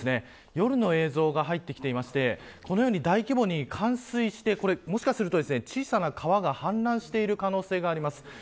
夜の映像が入ってきていましてこのように大規模に冠水してもしかすると、小さな川が氾濫している可能性があります。